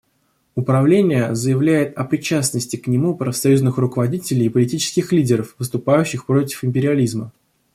Управление заявляет о причастности к нему профсоюзных руководителей и политических лидеров, выступающих против империализма.